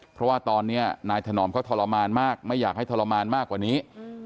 เพราะว่าตอนนี้นายถนอมเขาทรมานมากไม่อยากให้ทรมานมากกว่านี้